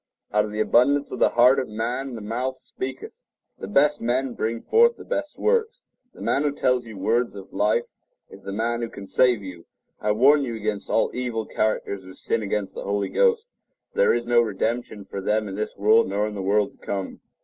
Out of the abundance of the heart of man the mouth speaketh. "In My Father's House"[edit] The best men bring forth the best works. The man who tells you words of life is the man who can save you. I warn you against all evil characters who sin against the Holy Ghost; for there is no redemption for them in this world nor in the world to come.